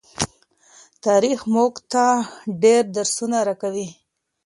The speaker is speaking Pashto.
تاریخ مونږ ته ډیر درسونه راکوي.